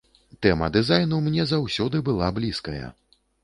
Тэма дызайну мне заўсёды была блізкая.